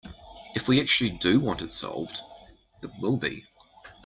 If we actually do want it solved, it will be.